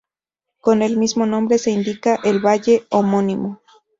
Con el mismo nombre se indica el valle homónimo.